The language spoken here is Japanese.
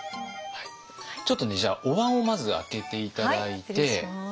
ちょっとねじゃあおわんをまず開けて頂いて。